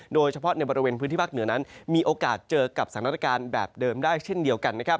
โดยเฉพาะในบริเวณพื้นที่ภาคเหนือนั้นมีโอกาสเจอกับสถานการณ์แบบเดิมได้เช่นเดียวกันนะครับ